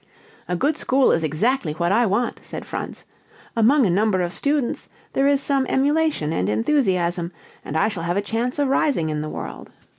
"A good school is exactly what I want," said Franz. "Among a number of students there is some emulation and enthusiasm, and I shall have a chance of rising in the world."